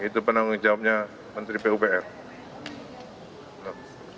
itu penanggung jawabnya menteri pupr